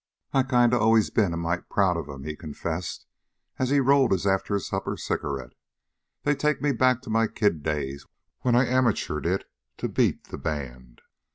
"I kinda always been a mite proud of 'em," he confessed, as he rolled his after supper cigarette. "They take me back to my kid days when I amateured it to beat the band.